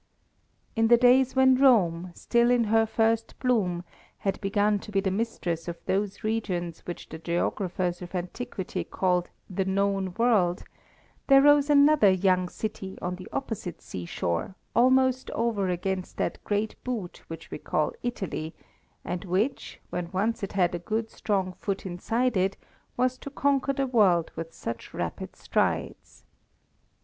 In the days when Rome, still in her first bloom, had begun to be the mistress of those regions which the geographers of antiquity called the known world, there arose another young city on the opposite seashore, almost over against that great boot which we call Italy, and which, when once it had a good strong foot inside it, was to conquer the world with such rapid strides.